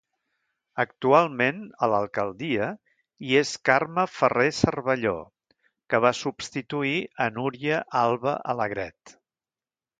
Actualment a l'alcaldia hi és Carme Ferrer Cervelló que va substituir a Núria Alba Alegret.